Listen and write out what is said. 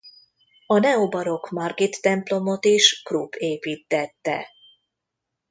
A neobarokk Margit-templomot is Krupp építtette.